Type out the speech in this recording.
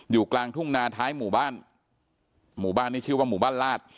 กลางทุ่งนาท้ายหมู่บ้านหมู่บ้านนี้ชื่อว่าหมู่บ้านลาด